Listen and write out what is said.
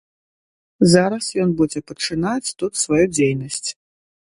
Зараз ён будзе пачынаць тут сваю дзейнасць.